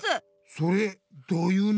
それどういうの？